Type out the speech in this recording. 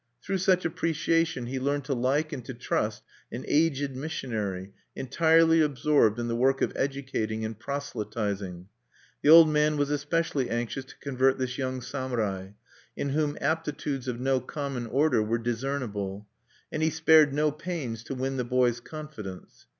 Through such appreciation he learned to like and to trust an aged missionary entirely absorbed in the work of educating and proselytizing. The old man was especially anxious to convert this young samurai, in whom aptitudes of no common order were discernible; and he spared no pains to win the boy's confidence.